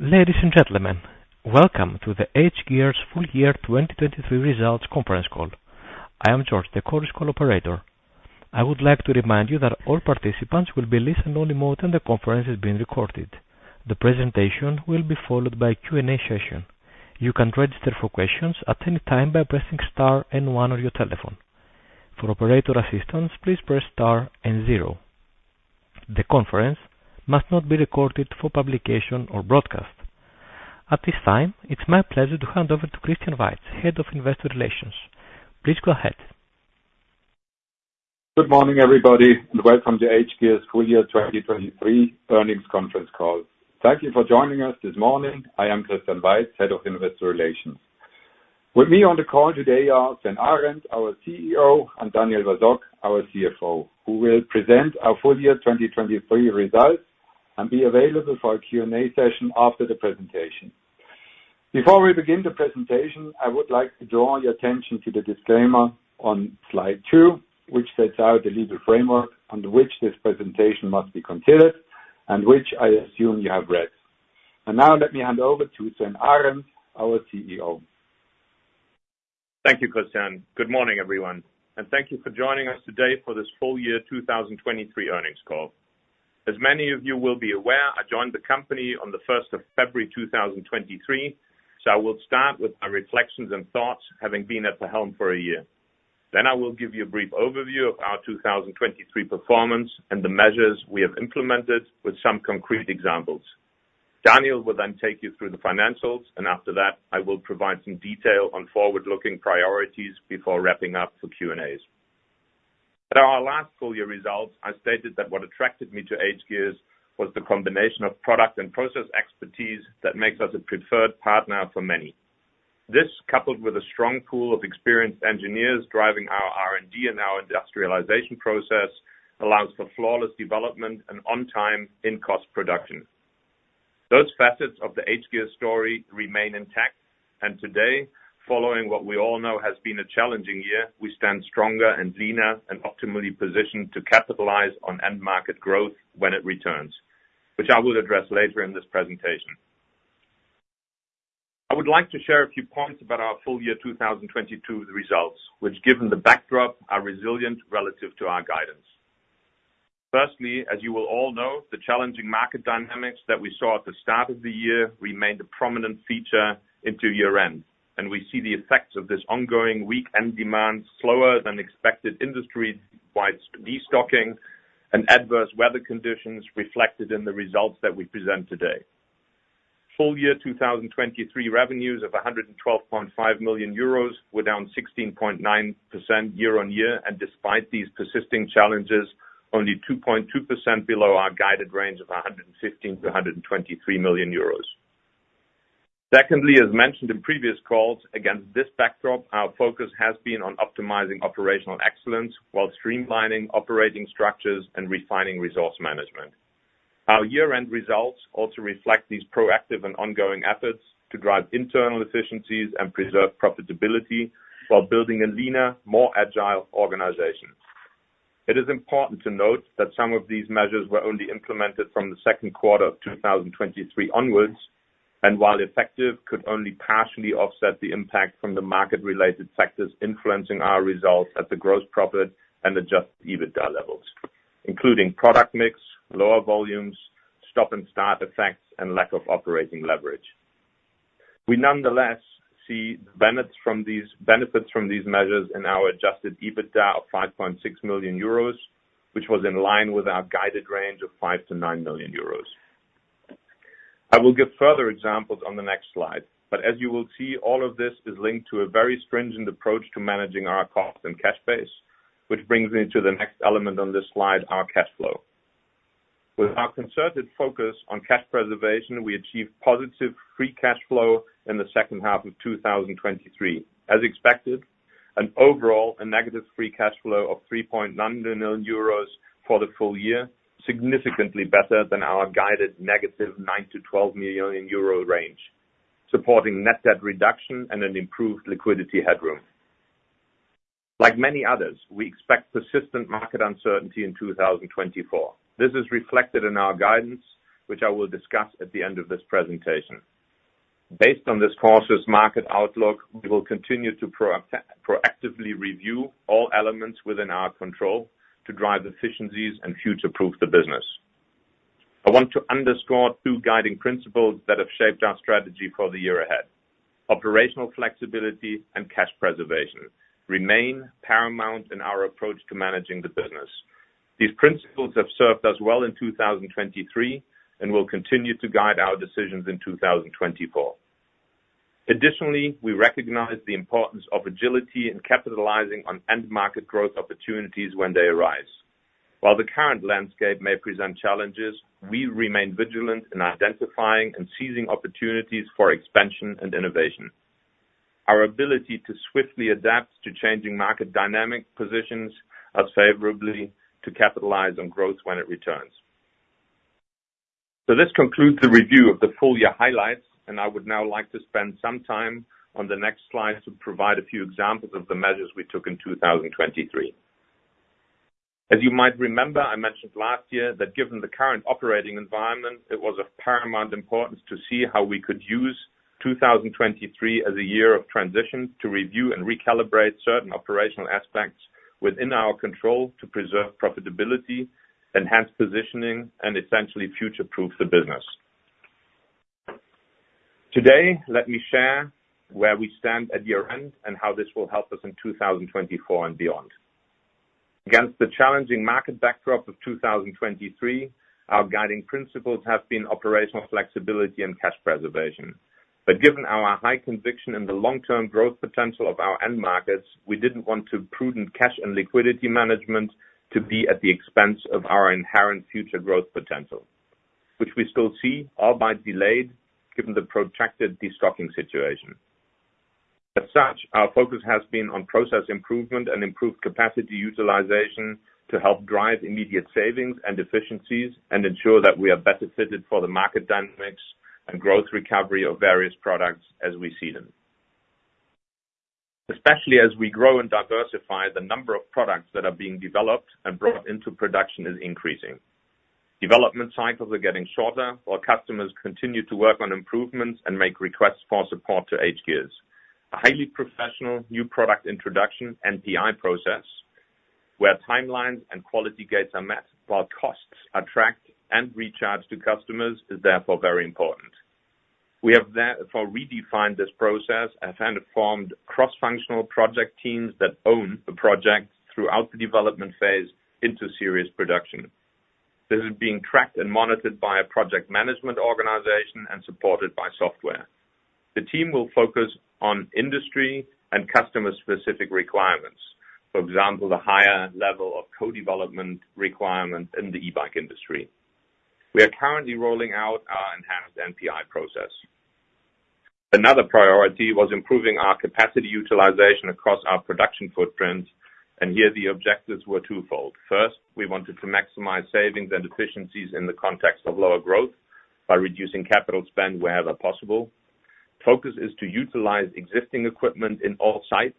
Ladies and gentlemen, welcome to the hGears full year 2023 results conference call. I am George, the Chorus Call operator. I would like to remind you that all participants will be in listen-only mode and the conference is being recorded. The presentation will be followed by a Q&A session. You can register for questions at any time by pressing star and one on your telephone. For operator assistance, please press star and zero. The conference must not be recorded for publication or broadcast. At this time, it's my pleasure to hand over to Christian Weiz, Head of Investor Relations. Please go ahead. Good morning, everybody, and welcome to hGears Full Year 2023 Earnings Conference Call. Thank you for joining us this morning. I am Christian Weiz, Head of Investor Relations. With me on the call today are Sven Arend, our CEO, and Daniel Basok, our CFO, who will present our Full Year 2023 results and be available for a Q&A session after the presentation. Before we begin the presentation, I would like to draw your attention to the disclaimer on slide two, which sets out the legal framework under which this presentation must be considered and which I assume you have read. Now let me hand over to Sven Arend, our CEO. Thank you, Christian. Good morning, everyone, and thank you for joining us today for this full year 2023 earnings call. As many of you will be aware, I joined the company on the 1st of February, 2023, so I will start with my reflections and thoughts having been at the helm for a year. Then I will give you a brief overview of our 2023 performance and the measures we have implemented with some concrete examples. Daniel will then take you through the financials, and after that, I will provide some detail on forward-looking priorities before wrapping up for Q&As. At our last Full Year results, I stated that what attracted me to hGears was the combination of product and process expertise that makes us a preferred partner for many. This, coupled with a strong pool of experienced engineers driving our R&D and our industrialization process, allows for flawless development and on-time, in-cost production. Those facets of the hGears story remain intact, and today, following what we all know has been a challenging year, we stand stronger and leaner and optimally positioned to capitalize on end-market growth when it returns, which I will address later in this presentation. I would like to share a few points about our Full Year 2022 results, which, given the backdrop, are resilient relative to our guidance. Firstly, as you will all know, the challenging market dynamics that we saw at the start of the year remained a prominent feature into year-end, and we see the effects of this ongoing weak end demand slower than expected industry-wide destocking and adverse weather conditions reflected in the results that we present today. Full Year 2023 revenues of 112.5 million euros were down 16.9% year-on-year, and despite these persisting challenges, only 2.2% below our guided range of 115 million-123 million euros. Secondly, as mentioned in previous calls, against this backdrop, our focus has been on optimizing operational excellence while streamlining operating structures and refining resource management. Our year-end results also reflect these proactive and ongoing efforts to drive internal efficiencies and preserve profitability while building a leaner, more agile organization. It is important to note that some of these measures were only implemented from the second quarter of 2023 onwards, and while effective, could only partially offset the impact from the market-related factors influencing our results at the gross profit and adjusted EBITDA levels, including product mix, lower volumes, stop-and-start effects, and lack of operating leverage. We nonetheless see benefits from these measures in our adjusted EBITDA of 5.6 million euros, which was in line with our guided range of 5 million-9 million euros. I will give further examples on the next slide, but as you will see, all of this is linked to a very stringent approach to managing our cost and cash base, which brings me to the next element on this slide, our cash flow. With our concerted focus on cash preservation, we achieved positive Free Cash Flow in the second half of 2023, as expected, and overall a negative free cash flow of 3.9 million euros for the full year, significantly better than our guided negative 9 million-12 million euro range, supporting net debt reduction and an improved liquidity headroom. Like many others, we expect persistent market uncertainty in 2024. This is reflected in our guidance, which I will discuss at the end of this presentation. Based on this cautious market outlook, we will continue to proactively review all elements within our control to drive efficiencies and future-proof the business. I want to underscore two guiding principles that have shaped our strategy for the year ahead: operational flexibility and cash preservation remain paramount in our approach to managing the business. These principles have served us well in 2023 and will continue to guide our decisions in 2024. Additionally, we recognize the importance of agility in capitalizing on end-market growth opportunities when they arise. While the current landscape may present challenges, we remain vigilant in identifying and seizing opportunities for expansion and innovation. Our ability to swiftly adapt to changing market dynamics positions us favorably to capitalize on growth when it returns. This concludes the review of the Full Year highlights, and I would now like to spend some time on the next slide to provide a few examples of the measures we took in 2023. As you might remember, I mentioned last year that given the current operating environment, it was of paramount importance to see how we could use 2023 as a year of transition to review and recalibrate certain operational aspects within our control to preserve profitability, enhance positioning, and essentially future-proof the business. Today, let me share where we stand at year-end and how this will help us in 2024 and beyond. Against the challenging market backdrop of 2023, our guiding principles have been operational flexibility and cash preservation. But given our high conviction in the long-term growth potential of our end markets, we didn't want too prudent cash and liquidity management to be at the expense of our inherent future growth potential, which we still see, albeit delayed, given the projected destocking situation. As such, our focus has been on process improvement and improved capacity utilization to help drive immediate savings and efficiencies and ensure that we are better fitted for the market dynamics and growth recovery of various products as we see them, especially as we grow and diversify. The number of products that are being developed and brought into production is increasing. Development cycles are getting shorter while customers continue to work on improvements and make requests for support to hGears. A highly professional New Product Introduction (NPI) process where timelines and quality gates are met while costs are tracked and recharged to customers is therefore very important. We have therefore redefined this process and formed cross-functional project teams that own the project throughout the development phase into series production. This is being tracked and monitored by a project management organization and supported by software. The team will focus on industry and customer-specific requirements, for example, the higher level of co-development requirement in the e-bike industry. We are currently rolling out our enhanced NPI process. Another priority was improving our capacity utilization across our production footprint, and here the objectives were twofold. First, we wanted to maximize savings and efficiencies in the context of lower growth by reducing capital spend wherever possible. Focus is to utilize existing equipment in all sites,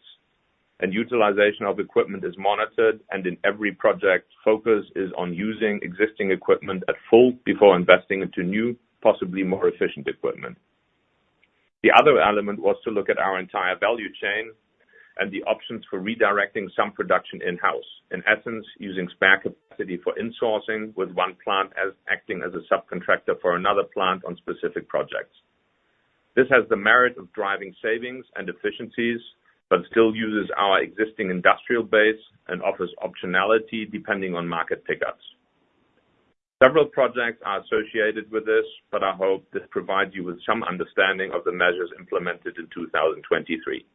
and utilization of equipment is monitored. In every project, focus is on using existing equipment at full before investing into new, possibly more efficient equipment. The other element was to look at our entire value chain and the options for redirecting some production in-house, in essence using spare capacity for insourcing with one plant acting as a subcontractor for another plant on specific projects. This has the merit of driving savings and efficiencies but still uses our existing industrial base and offers optionality depending on market pickups. Several projects are associated with this, but I hope this provides you with some understanding of the measures implemented in 2023.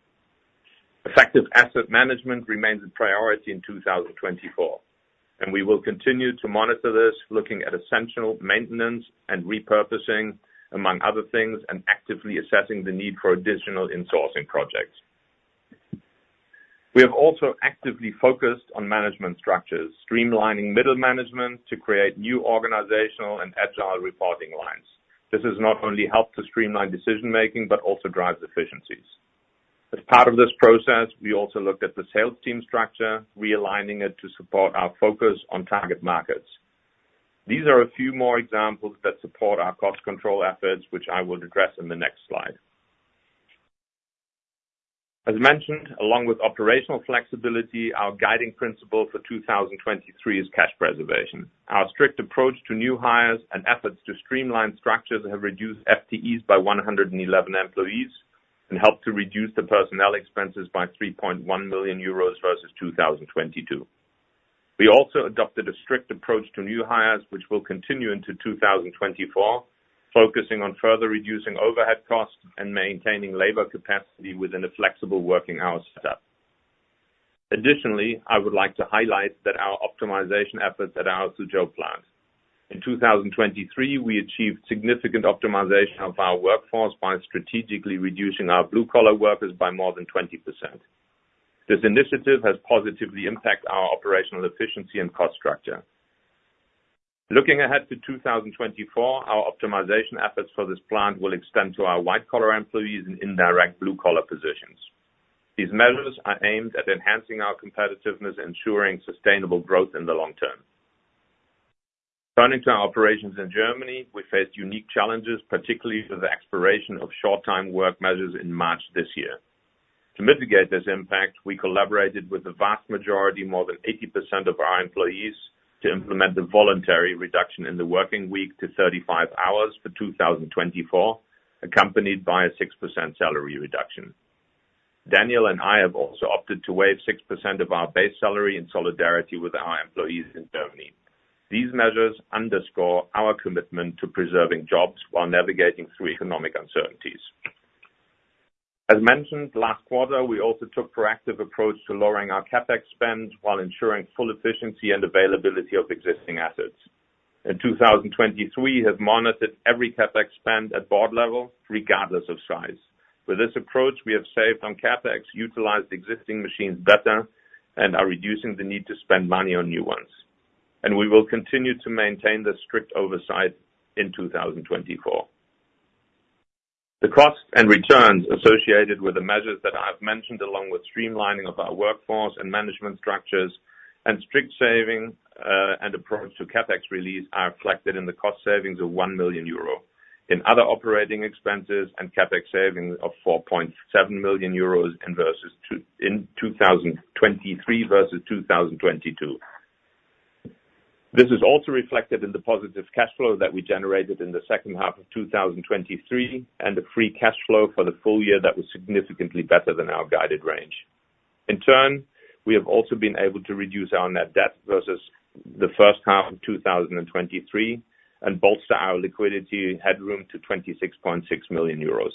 Effective asset management remains a priority in 2024, and we will continue to monitor this, looking at essential maintenance and repurposing, among other things, and actively assessing the need for additional insourcing projects. We have also actively focused on management structures, streamlining middle management to create new organizational and agile reporting lines. This has not only helped to streamline decision-making but also drive efficiencies. As part of this process, we also looked at the sales team structure, realigning it to support our focus on target markets. These are a few more examples that support our cost control efforts, which I will address in the next slide. As mentioned, along with operational flexibility, our guiding principle for 2023 is cash preservation. Our strict approach to new hires and efforts to streamline structures have reduced FTEs by 111 employees and helped to reduce the personnel expenses by 3.1 million euros versus 2022. We also adopted a strict approach to new hires, which will continue into 2024, focusing on further reducing overhead costs and maintaining labor capacity within a flexible working hour setup. Additionally, I would like to highlight our optimization efforts at our Suzhou plant. In 2023, we achieved significant optimization of our workforce by strategically reducing our blue-collar workers by more than 20%. This initiative has positively impacted our operational efficiency and cost structure. Looking ahead to 2024, our optimization efforts for this plant will extend to our white-collar employees in indirect blue-collar positions. These measures are aimed at enhancing our competitiveness and ensuring sustainable growth in the long term. Turning to our operations in Germany, we faced unique challenges, particularly with the expiration of short-time work measures in March this year. To mitigate this impact, we collaborated with the vast majority, more than 80% of our employees, to implement the voluntary reduction in the working week to 35 hours for 2024, accompanied by a 6% salary reduction. Daniel and I have also opted to waive 6% of our base salary in solidarity with our employees in Germany. These measures underscore our commitment to preserving jobs while navigating through economic uncertainties. As mentioned, last quarter, we also took a proactive approach to lowering our CapEx spend while ensuring full efficiency and availability of existing assets. In 2023, we have monitored every CapEx spend at board level, regardless of size. With this approach, we have saved on CapEx, utilized existing machines better, and are reducing the need to spend money on new ones. We will continue to maintain this strict oversight in 2024. The costs and returns associated with the measures that I have mentioned, along with streamlining of our workforce and management structures and strict saving and approach to CapEx release, are reflected in the cost savings of 1 million euro in other operating expenses and CapEx savings of 4.7 million euros in 2023 versus 2022. This is also reflected in the positive cash flow that we generated in the second half of 2023 and the free cash flow for the full year that was significantly better than our guided range. In turn, we have also been able to reduce our net debt versus the first half of 2023 and bolster our liquidity headroom to 26.6 million euros.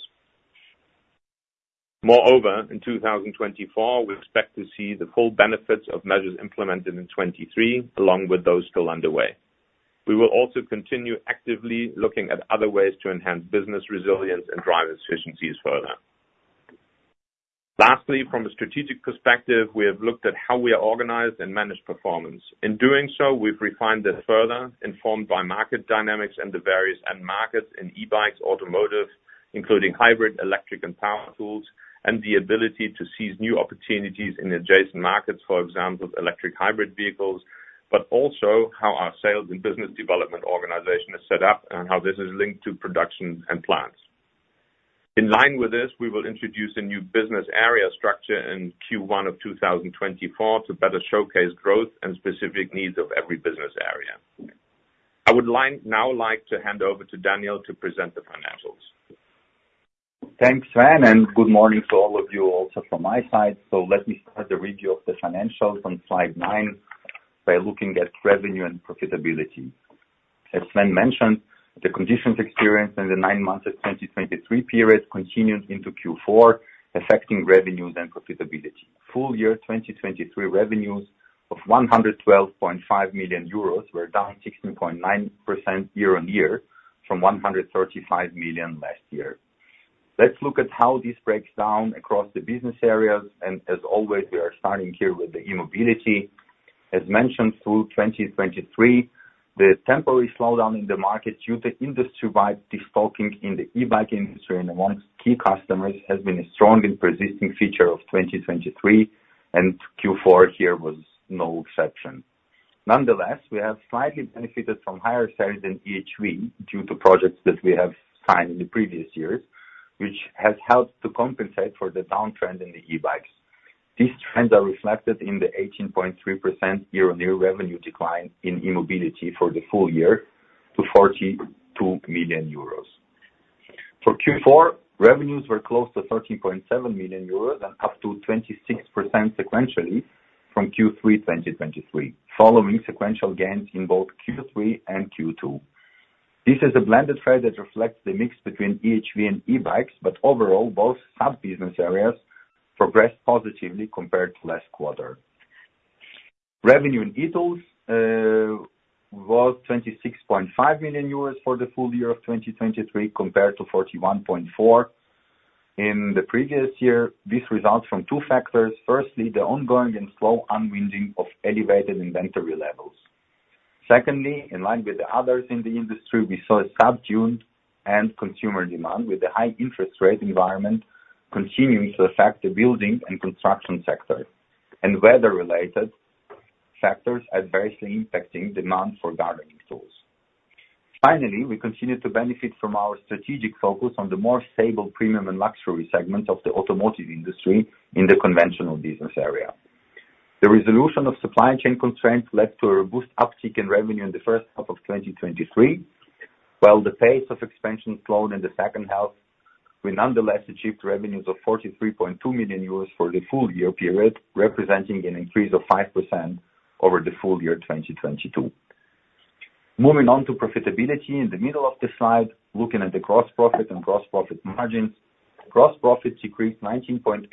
Moreover, in 2024, we expect to see the full benefits of measures implemented in 2023, along with those still underway. We will also continue actively looking at other ways to enhance business resilience and drive efficiencies further. Lastly, from a strategic perspective, we have looked at how we are organized and manage performance. In doing so, we've refined this further, informed by market dynamics and the various end markets in e-bikes, automotive, including hybrid, electric, and power tools, and the ability to seize new opportunities in adjacent markets, for example, electric hybrid vehicles, but also how our sales and business development organization is set up and how this is linked to production and plants. In line with this, we will introduce a new business area structure in Q1 of 2024 to better showcase growth and specific needs of every business area. I would now like to hand over to Daniel to present the financials. Thanks, Sven, and good morning to all of you also from my side. Let me start the review of the financials on slide 9 by looking at revenue and profitability. As Sven mentioned, the conditions experienced in the nine months of 2023 period continued into Q4, affecting revenues and profitability. Full year 2023 revenues of 112.5 million euros were down 16.9% year-on-year from 135 million last year. Let's look at how this breaks down across the business areas. As always, we are starting here with the e-Mobility. As mentioned, through 2023, the temporary slowdown in the market due to industry-wide destocking in the e-bike industry and among key customers has been a strong and persisting feature of 2023, and Q4 here was no exception. Nonetheless, we have slightly benefited from higher sales in eHV due to projects that we have signed in the previous years, which has helped to compensate for the downtrend in the e-bikes. These trends are reflected in the 18.3% year-on-year revenue decline in e-Mobility for the full year to 42 million euros. For Q4, revenues were close to 13.7 million euros and up to 26% sequentially from Q3 2023, following sequential gains in both Q3 and Q2. This is a blended trend that reflects the mix between eHV and e-bikes, but overall, both sub-business areas progressed positively compared to last quarter. Revenue in e-Tools was 26.5 million euros for the full year of 2023 compared to 41.4 million in the previous year. This results from two factors. Firstly, the ongoing and slow unwinding of elevated inventory levels. Secondly, in line with the others in the industry, we saw a subdued end consumer demand with a high interest rate environment continuing to affect the building and construction sector and weather-related factors adversely impacting demand for gardening tools. Finally, we continue to benefit from our strategic focus on the more stable premium and luxury segment of the automotive industry in the conventional business area. The resolution of supply chain constraints led to a robust uptick in revenue in the first half of 2023, while the pace of expansion slowed in the second half. We nonetheless achieved revenues of 43.2 million euros for the full year period, representing an increase of 5% over the full year 2022. Moving on to profitability in the middle of the slide, looking at the gross profit and gross profit margins, gross profit decreased 19.8%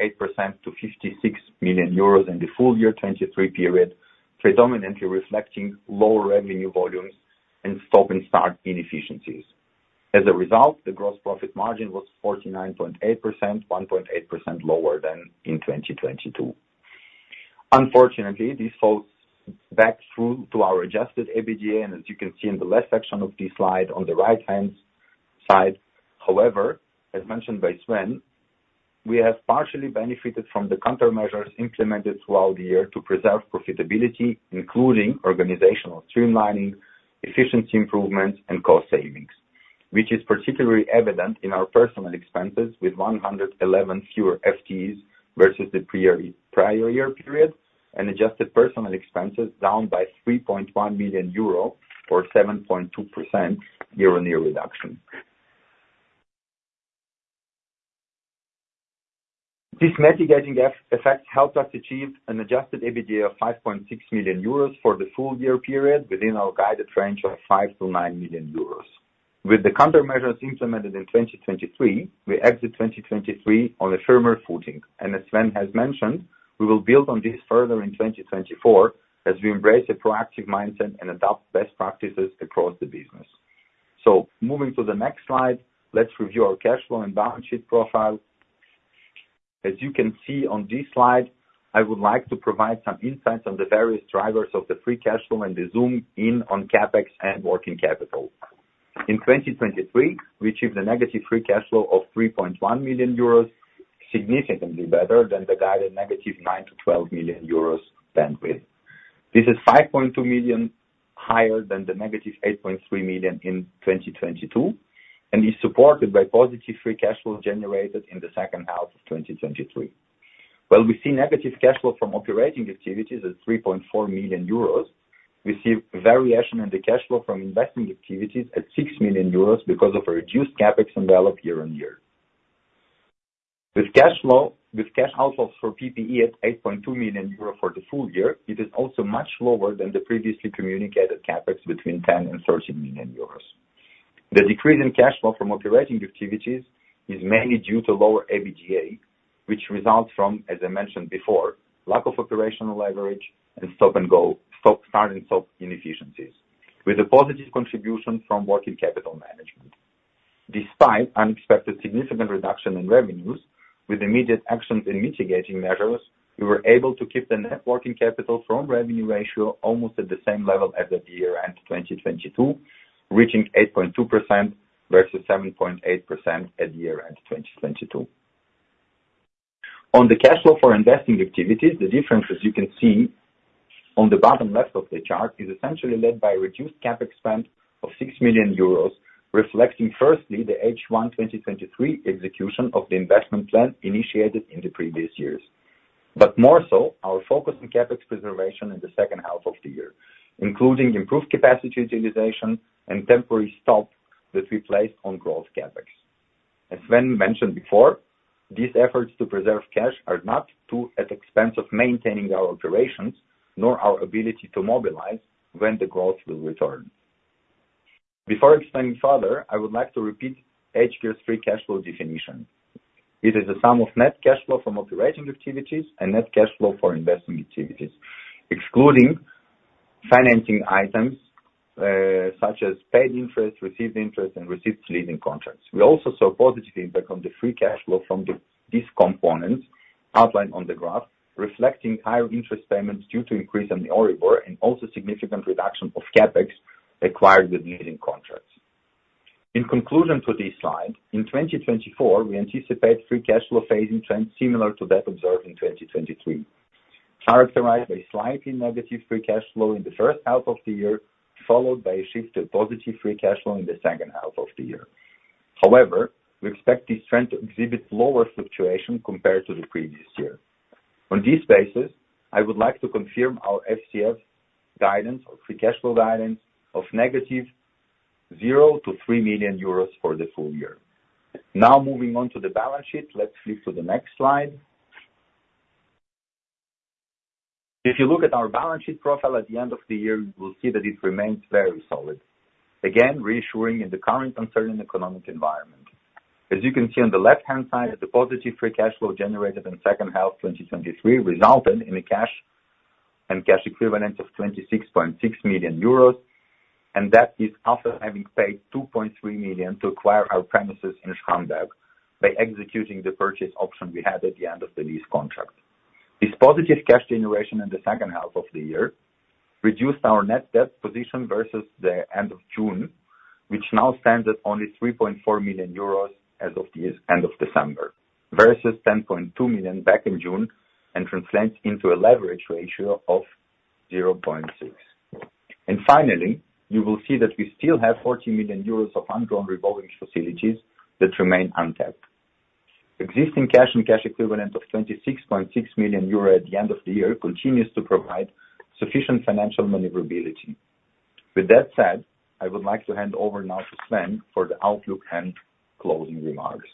to 56 million euros in the full year 2023 period, predominantly reflecting lower revenue volumes and stop-and-start inefficiencies. As a result, the gross profit margin was 49.8%, 1.8% lower than in 2022. Unfortunately, this falls back through to our adjusted EBITDA, and as you can see in the left section of the slide on the right-hand side. However, as mentioned by Sven, we have partially benefited from the countermeasures implemented throughout the year to preserve profitability, including organizational streamlining, efficiency improvements, and cost savings, which is particularly evident in our personnel expenses with 111 fewer FTEs versus the prior year period and adjusted personnel expenses down by 3.1 million euro or 7.2% year-on-year reduction. This mitigating effect helped us achieve an adjusted EBITDA of 5.6 million euros for the full year period within our guided range of 5 million-9 million euros. With the countermeasures implemented in 2023, we exit 2023 on a firmer footing. As Sven has mentioned, we will build on this further in 2024 as we embrace a proactive mindset and adopt best practices across the business. Moving to the next slide, let's review our cash flow and balance sheet profile. As you can see on this slide, I would like to provide some insights on the various drivers of the free cash flow and zoom in on CapEx and working capital. In 2023, we achieved a negative free cash flow of 3.1 million euros, significantly better than the guided negative 9 million-12 million euros spend width. This is 5.2 million higher than the negative 8.3 million in 2022 and is supported by positive free cash flow generated in the second half of 2023. While we see negative cash flow from operating activities at 3.4 million euros, we see variation in the cash flow from investing activities at 6 million euros because of a reduced CapEx envelope year-over-year. With cash outflows for PPE at 8.2 million euro for the full year, it is also much lower than the previously communicated CapEx between 10 and 13 million euros. The decrease in cash flow from operating activities is mainly due to lower EBITDA, which results from, as I mentioned before, lack of operational leverage and stop-and-start and stop inefficiencies, with a positive contribution from working capital management. Despite unexpected significant reduction in revenues, with immediate actions and mitigating measures, we were able to keep the net working capital from revenue ratio almost at the same level as at the year-end 2022, reaching 8.2% versus 7.8% at year-end 2022. On the cash flow for investing activities, the difference, as you can see on the bottom left of the chart, is essentially led by a reduced CapEx spend of 6 million euros, reflecting firstly the H1 2023 execution of the investment plan initiated in the previous years, but more so, our focus on CapEx preservation in the second half of the year, including improved capacity utilization and temporary stop that we placed on growth CapEx. As Sven mentioned before, these efforts to preserve cash are not at the expense of maintaining our operations nor our ability to mobilize when the growth will return. Before expanding further, I would like to repeat hGears Free Cash Flow definition. It is a sum of net cash flow from operating activities and net cash flow for investing activities, excluding financing items such as paid interest, received interest, and received leasing contracts. We also saw a positive impact on the free cash flow from these components outlined on the graph, reflecting higher interest payments due to increase in EURIBOR and also significant reduction of CapEx acquired with leasing contracts. In conclusion to this slide, in 2024, we anticipate free cash flow phasing trends similar to that observed in 2023, characterized by slightly negative free cash flow in the first half of the year, followed by a shift to positive free cash flow in the second half of the year. However, we expect this trend to exhibit lower fluctuation compared to the previous year. On this basis, I would like to confirm our FCF guidance or free cash flow guidance of negative 0-3 million euros for the full year. Now moving on to the balance sheet, let's flip to the next slide. If you look at our balance sheet profile at the end of the year, you will see that it remains very solid, again, reassuring in the current uncertain economic environment. As you can see on the left-hand side, the positive free cash flow generated in second half 2023 resulted in a cash and cash equivalent of 26.6 million euros, and that is after having paid 2.3 million to acquire our premises in Schramberg by executing the purchase option we had at the end of the lease contract. This positive cash generation in the second half of the year reduced our net debt position versus the end of June, which now stands at only 3.4 million euros as of the end of December versus 10.2 million back in June and translates into a leverage ratio of 0.6. And finally, you will see that we still have 40 million euros of undrawn revolving facilities that remain untapped. Existing cash and cash equivalent of 26.6 million euro at the end of the year continues to provide sufficient financial maneuverability. With that said, I would like to hand over now to Sven for the outlook and closing remarks.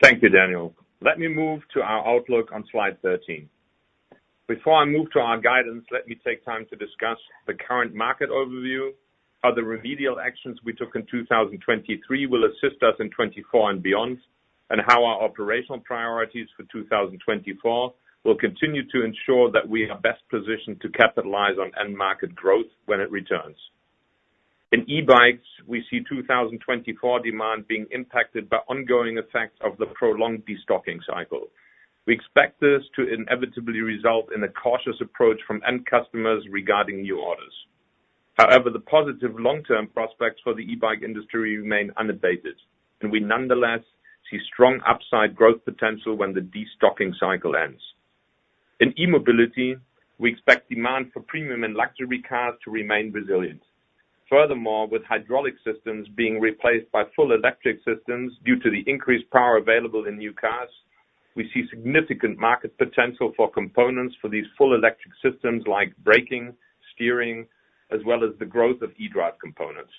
Thank you, Daniel. Let me move to our outlook on slide 13. Before I move to our guidance, let me take time to discuss the current market overview, how the remedial actions we took in 2023 will assist us in 2024 and beyond, and how our operational priorities for 2024 will continue to ensure that we are best positioned to capitalize on end market growth when it returns. In e-bikes, we see 2024 demand being impacted by ongoing effects of the prolonged destocking cycle. We expect this to inevitably result in a cautious approach from end customers regarding new orders. However, the positive long-term prospects for the e-bike industry remain unabated, and we nonetheless see strong upside growth potential when the destocking cycle ends. In e-Mobility, we expect demand for premium and luxury cars to remain resilient. Furthermore, with hydraulic systems being replaced by full electric systems due to the increased power available in new cars, we see significant market potential for components for these full electric systems like braking, steering, as well as the growth of e-drive components.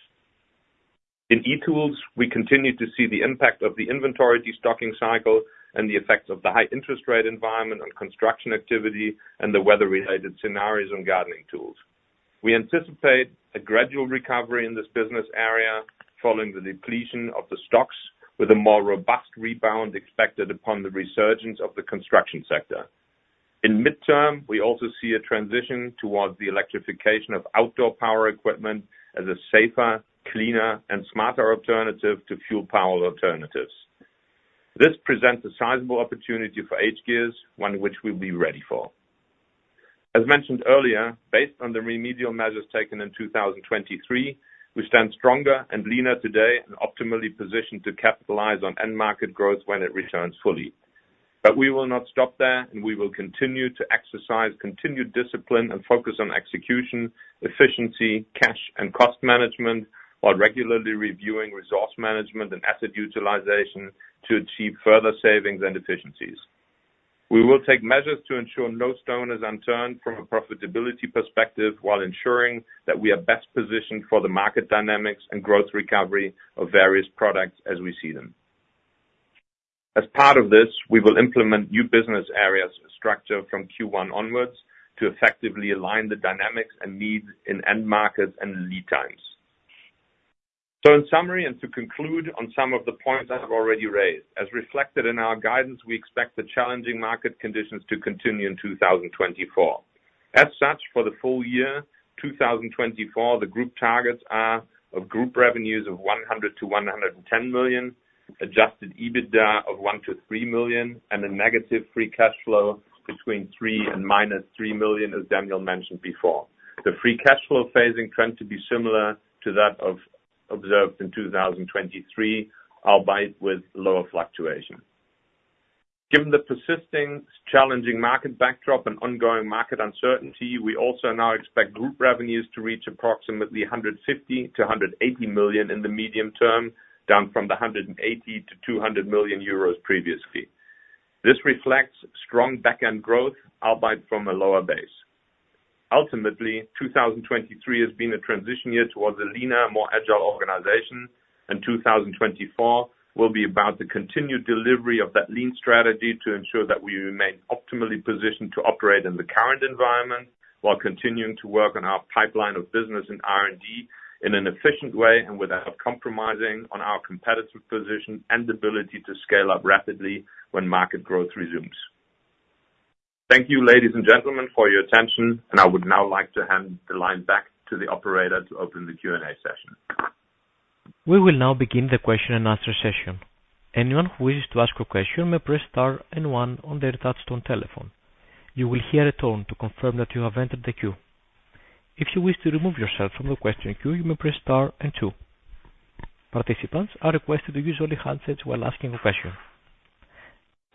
In e-Tools, we continue to see the impact of the inventory destocking cycle and the effects of the high interest rate environment on construction activity and the weather-related scenarios on gardening tools. We anticipate a gradual recovery in this business area following the depletion of the stocks, with a more robust rebound expected upon the resurgence of the construction sector. In midterm, we also see a transition towards the electrification of outdoor power equipment as a safer, cleaner, and smarter alternative to fuel power alternatives. This presents a sizable opportunity for hGears, one which we will be ready for. As mentioned earlier, based on the remedial measures taken in 2023, we stand stronger and leaner today and optimally positioned to capitalize on end market growth when it returns fully. But we will not stop there, and we will continue to exercise continued discipline and focus on execution, efficiency, cash, and cost management while regularly reviewing resource management and asset utilization to achieve further savings and efficiencies. We will take measures to ensure no stone is unturned from a profitability perspective while ensuring that we are best positioned for the market dynamics and growth recovery of various products as we see them. As part of this, we will implement new business areas structure from Q1 onwards to effectively align the dynamics and needs in end markets and lead times. In summary and to conclude on some of the points I've already raised, as reflected in our guidance, we expect the challenging market conditions to continue in 2024. As such, for the full year 2024, the group targets are of group revenues of 100 million-110 million, Adjusted EBITDA of 1 million-3 million, and a negative free cash flow between 3 million and -3 million, as Daniel mentioned before. The free cash flow phasing trend to be similar to that observed in 2023, albeit with lower fluctuation. Given the persisting challenging market backdrop and ongoing market uncertainty, we also now expect group revenues to reach approximately 150 million-180 million in the medium term, down from the 180 million-200 million euros previously. This reflects strong backend growth, albeit from a lower base. Ultimately, 2023 has been a transition year towards a leaner, more agile organization, and 2024 will be about the continued delivery of that lean strategy to ensure that we remain optimally positioned to operate in the current environment while continuing to work on our pipeline of business and R&D in an efficient way and without compromising on our competitive position and ability to scale up rapidly when market growth resumes. Thank you, ladies and gentlemen, for your attention, and I would now like to hand the line back to the operator to open the Q&A session. We will now begin the question and answer session. Anyone who wishes to ask a question may press star and one on their touch-tone telephone. You will hear a tone to confirm that you have entered the queue. If you wish to remove yourself from the question queue, you may press star and two. Participants are requested to use only handsets while asking a question.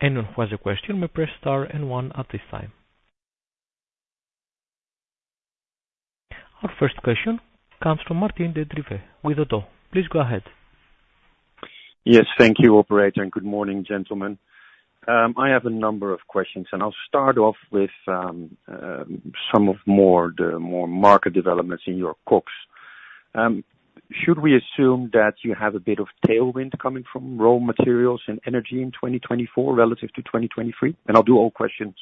Anyone who has a question may press star and one at this time. Our first question comes from Martijn den Drijver with Oddo. Please go ahead. Yes. Thank you, operator, and good morning, gentlemen. I have a number of questions, and I'll start off with some of the more market developments in your costs. Should we assume that you have a bit of tailwind coming from raw materials and energy in 2024 relative to 2023? I'll do all questions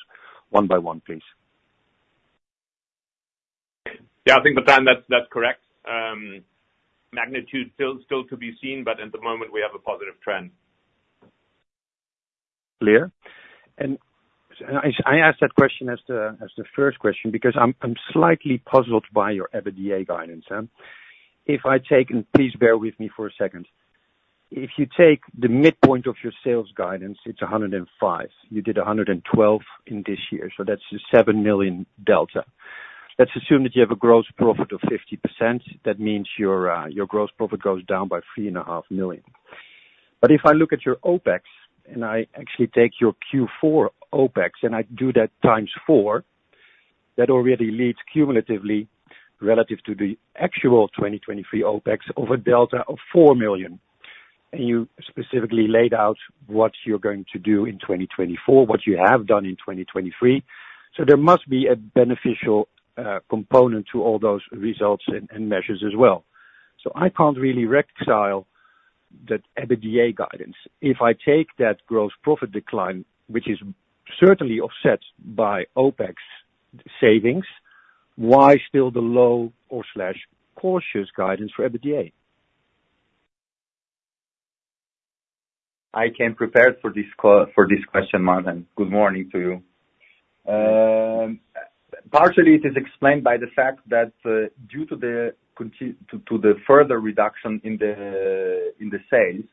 one by one, please. Yeah. I think, Martin, that's correct. Magnitude still to be seen, but at the moment, we have a positive trend. Clear. And I asked that question as the first question because I'm slightly puzzled by your EBITDA guidance. If I take and please bear with me for a second. If you take the midpoint of your sales guidance, it's 105 million. You did 112 million in this year, so that's the 7 million delta. Let's assume that you have a gross profit of 50%. That means your gross profit goes down by 3.5 million. But if I look at your OpEx and I actually take your Q4 OpEx and I do that times four, that already leads cumulatively relative to the actual 2023 OpEx of a delta of 4 million. And you specifically laid out what you're going to do in 2024, what you have done in 2023. So there must be a beneficial component to all those results and measures as well. So I can't really reconcile that EBITDA guidance. If I take that gross profit decline, which is certainly offset by OpEx savings, why still the low or cautious guidance for EBITDA? I came prepared for this question, Martin. Good morning to you. Partially, it is explained by the fact that due to the further reduction in the sales,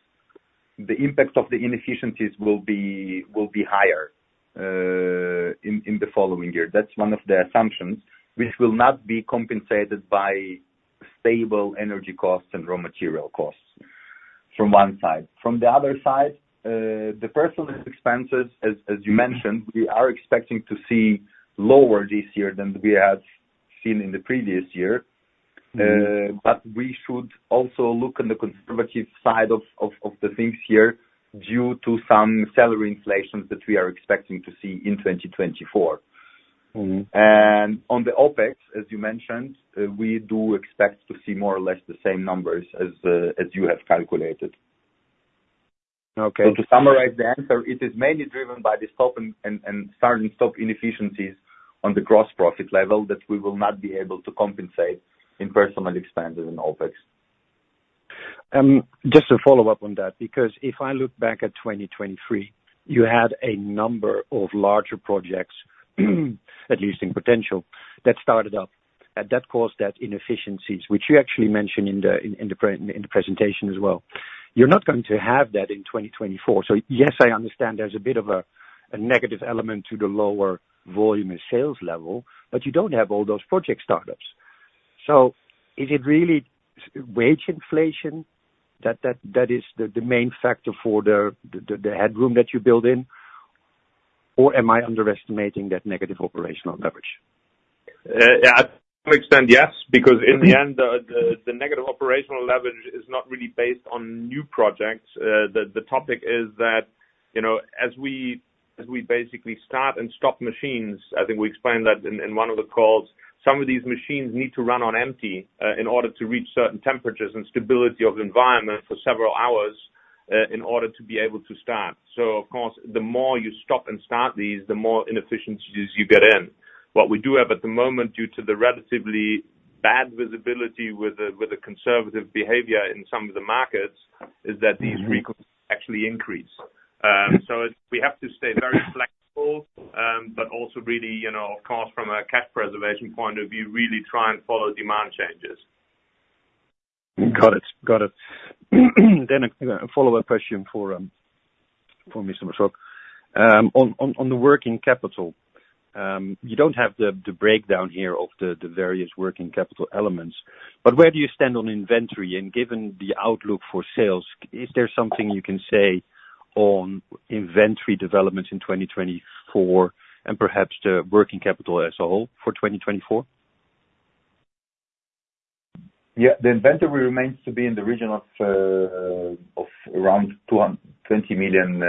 the impact of the inefficiencies will be higher in the following year. That's one of the assumptions, which will not be compensated by stable energy costs and raw material costs from one side. From the other side, the personal expenses, as you mentioned, we are expecting to see lower this year than we have seen in the previous year. But we should also look on the conservative side of the things here due to some salary inflations that we are expecting to see in 2024. And on the OpEx, as you mentioned, we do expect to see more or less the same numbers as you have calculated. To summarize the answer, it is mainly driven by the start and stop inefficiencies on the gross profit level that we will not be able to compensate in personnel expenses and OpEx. Just to follow up on that, because if I look back at 2023, you had a number of larger projects, at least in potential, that started up that caused that inefficiencies, which you actually mentioned in the presentation as well. You're not going to have that in 2024. So yes, I understand there's a bit of a negative element to the lower volume of sales level, but you don't have all those project startups. So is it really wage inflation that is the main factor for the headroom that you build in, or am I underestimating that negative operational leverage? Yeah. To some extent, yes, because in the end, the negative operational leverage is not really based on new projects. The topic is that as we basically start and stop machines I think we explained that in one of the calls. Some of these machines need to run on empty in order to reach certain temperatures and stability of the environment for several hours in order to be able to start. So of course, the more you stop and start these, the more inefficiencies you get in. What we do have at the moment, due to the relatively bad visibility with a conservative behavior in some of the markets, is that these recalls actually increase. So we have to stay very flexible but also really, of course, from a cash preservation point of view, really try and follow demand changes. Got it. Got it. Then a follow-up question for me, Mr. Basok. On the working capital, you don't have the breakdown here of the various working capital elements, but where do you stand on inventory? And given the outlook for sales, is there something you can say on inventory developments in 2024 and perhaps the working capital as a whole for 2024? Yeah. The inventory remains to be in the region of around 220 million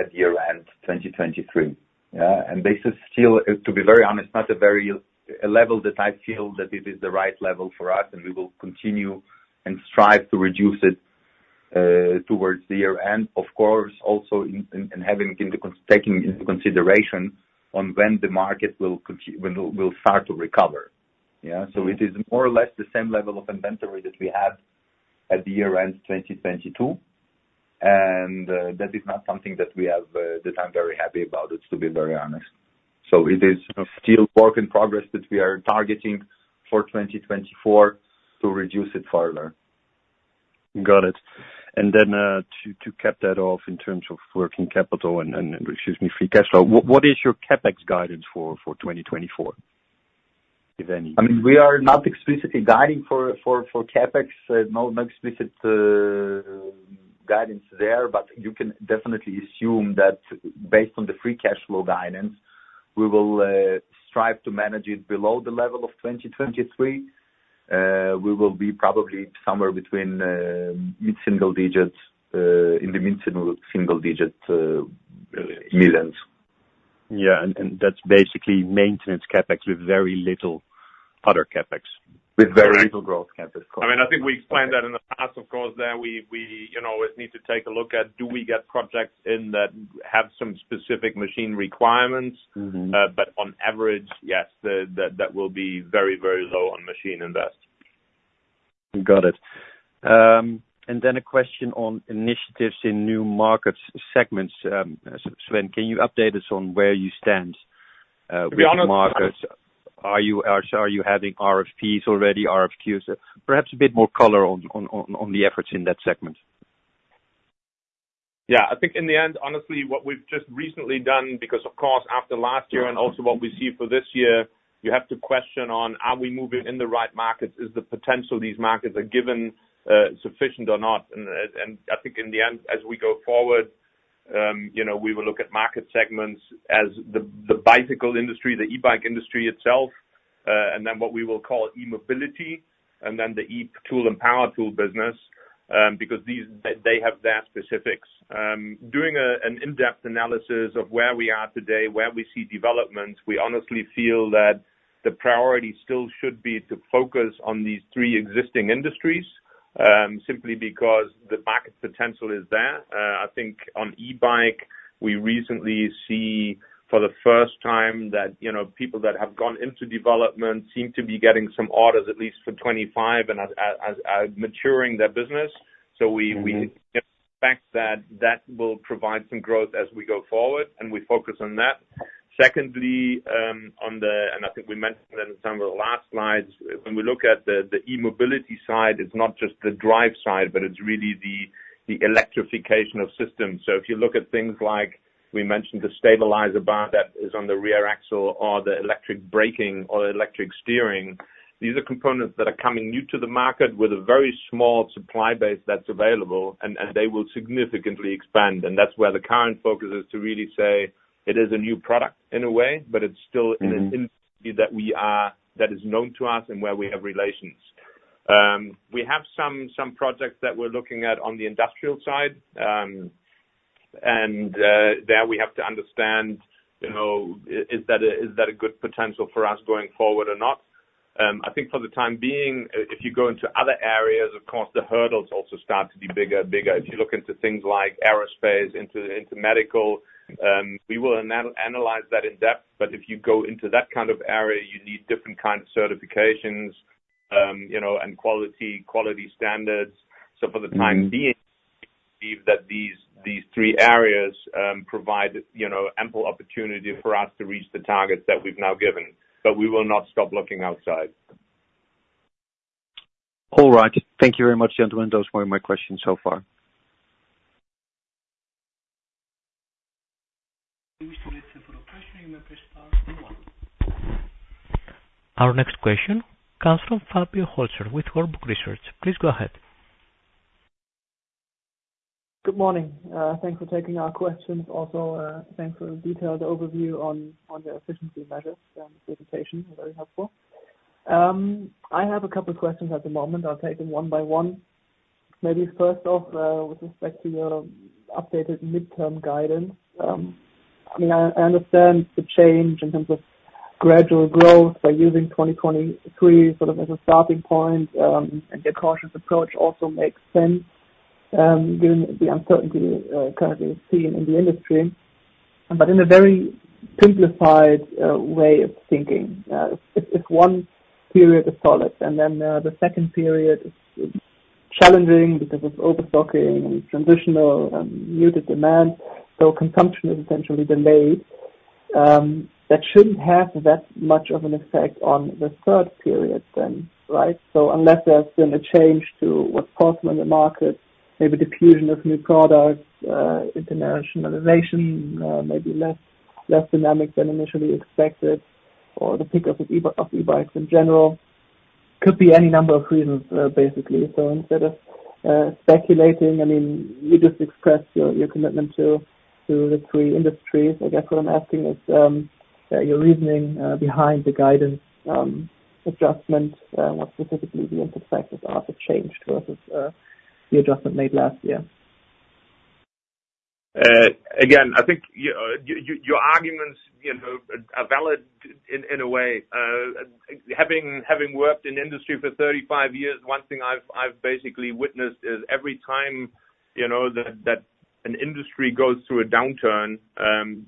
at year-end 2023. Yeah. This is still, to be very honest, not a level that I feel that it is the right level for us, and we will continue and strive to reduce it towards the year-end, of course, also in taking into consideration on when the market will start to recover. Yeah. So it is more or less the same level of inventory that we had at the year-end 2022, and that is not something that we are very happy about, to be very honest. So it is still work in progress that we are targeting for 2024 to reduce it further. Got it. And then to cap that off in terms of working capital and, excuse me, free cash flow, what is your CapEx guidance for 2024, if any? I mean, we are not explicitly guiding for CapEx, no explicit guidance there, but you can definitely assume that based on the free cash flow guidance, we will strive to manage it below the level of 2023. We will be probably somewhere between mid-single digits in the mid-single digit millions. Yeah. And that's basically maintenance CapEx with very little other CapEx. With very little growth CapEx, of course. I mean, I think we explained that in the past, of course, that we always need to take a look at, do we get projects that have some specific machine requirements? But on average, yes, that will be very, very low on machine investment. Got it. Then a question on initiatives in new market segments. Sven, can you update us on where you stand with the markets? To be honest, what? Are you having RFPs already, RFQs? Perhaps a bit more color on the efforts in that segment. Yeah. I think in the end, honestly, what we've just recently done because, of course, after last year and also what we see for this year, you have to question on, are we moving in the right markets? Is the potential these markets are given sufficient or not? And I think in the end, as we go forward, we will look at market segments as the bicycle industry, the e-bike industry itself, and then what we will call e-Mobility, and then the e-Tools and power tool business because they have their specifics. Doing an in-depth analysis of where we are today, where we see developments, we honestly feel that the priority still should be to focus on these three existing industries simply because the market potential is there. I think on e-bike, we recently see for the first time that people that have gone into development seem to be getting some orders, at least for 2025, and maturing their business. So we expect that that will provide some growth as we go forward, and we focus on that. Secondly, on the and I think we mentioned that at the time of the last slides. When we look at the e-Mobility side, it's not just the drive side, but it's really the electrification of systems. So if you look at things like we mentioned the stabilizer bar that is on the rear axle or the electric braking or electric steering, these are components that are coming new to the market with a very small supply base that's available, and they will significantly expand. And that's where the current focus is to really say it is a new product in a way, but it's still in an industry that is known to us and where we have relations. We have some projects that we're looking at on the industrial side, and there we have to understand, is that a good potential for us going forward or not? I think for the time being, if you go into other areas, of course, the hurdles also start to be bigger, bigger. If you look into things like aerospace, into medical, we will analyze that in-depth. But if you go into that kind of area, you need different kinds of certifications and quality standards. So for the time being, we believe that these three areas provide ample opportunity for us to reach the targets that we've now given, but we will not stop looking outside. All right. Thank you very much, gentlemen. Those were my questions so far. Our next question comes from Fabio Hölscher with Warburg Research. Please go ahead. Good morning. Thanks for taking our questions. Also, thanks for the detailed overview on your efficiency measures and the presentation. Very helpful. I have a couple of questions at the moment. I'll take them one by one. Maybe first off, with respect to your updated midterm guidance. I mean, I understand the change in terms of gradual growth by using 2023 sort of as a starting point, and your cautious approach also makes sense given the uncertainty currently seen in the industry. But in a very simplified way of thinking, if one period is solid and then the second period is challenging because of overstocking and transitional and muted demand, so consumption is essentially delayed, that shouldn't have that much of an effect on the third period then, right? So unless there's been a change to what's possible in the market, maybe diffusion of new products, internationalization, maybe less dynamic than initially expected, or the pickup of e-bikes in general, could be any number of reasons, basically. So instead of speculating, I mean, you just expressed your commitment to the three industries. I guess what I'm asking is your reasoning behind the guidance adjustment, what specifically the impact factors are for change versus the adjustment made last year. Again, I think your arguments are valid in a way. Having worked in industry for 35 years, one thing I've basically witnessed is every time that an industry goes through a downturn,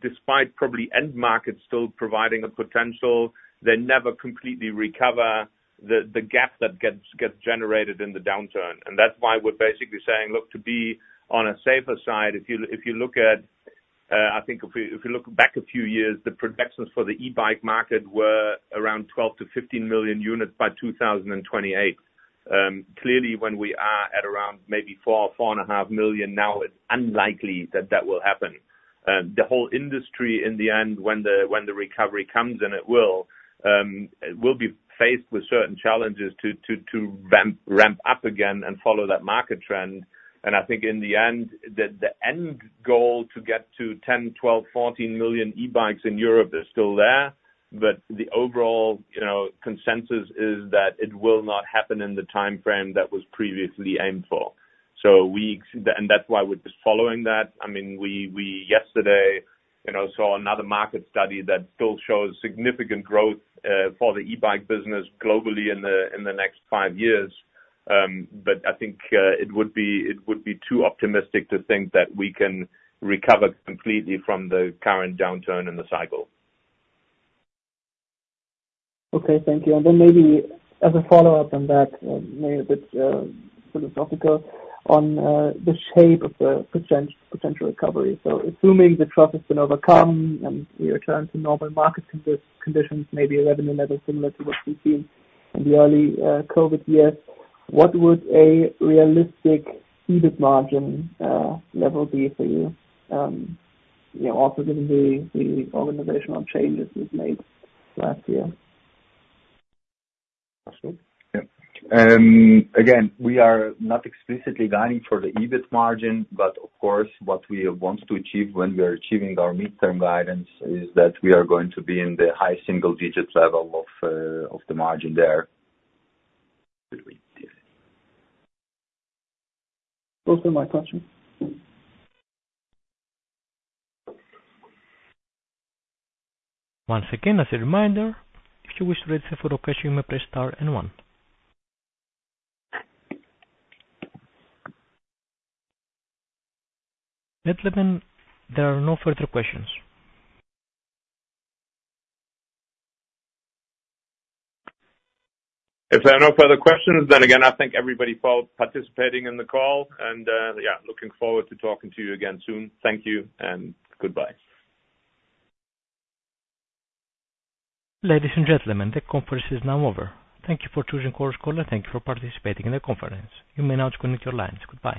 despite probably end markets still providing a potential, they never completely recover the gap that gets generated in the downturn. And that's why we're basically saying, "Look, to be on a safer side, if you look at." I think if you look back a few years, the projections for the e-bike market were around 12-15 million units by 2028. Clearly, when we are at around maybe 4 or 4.5 million now, it's unlikely that that will happen. The whole industry, in the end, when the recovery comes, and it will, will be faced with certain challenges to ramp up again and follow that market trend. I think in the end, the end goal to get to 10, 12, 14 million e-bikes in Europe is still there, but the overall consensus is that it will not happen in the timeframe that was previously aimed for. That's why we're just following that. I mean, yesterday, saw another market study that still shows significant growth for the e-bike business globally in the next five years. But I think it would be too optimistic to think that we can recover completely from the current downturn in the cycle. Okay. Thank you. And then maybe as a follow-up on that, maybe a bit philosophical, on the shape of the potential recovery. So assuming the trough has been overcome and we return to normal market conditions, maybe a revenue level similar to what we've seen in the early COVID years, what would a realistic EBIT margin level be for you, also given the organizational changes we've made last year? Absolutely. Yeah. Again, we are not explicitly guiding for the EBIT margin, but of course, what we want to achieve when we are achieving our midterm guidance is that we are going to be in the high single-digit level of the margin there. Those were my questions. Once again, as a reminder, if you wish to register for location, you may press star and one. At 11:00, there are no further questions. If there are no further questions, then again, I thank everybody for participating in the call and, yeah, looking forward to talking to you again soon. Thank you and goodbye. Ladies and gentlemen, the conference is now over. Thank you for choosing Chorus Call. Thank you for participating in the conference. You may now disconnect your lines. Goodbye.